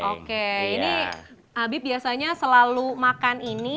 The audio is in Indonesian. oke ini habib biasanya selalu makan ini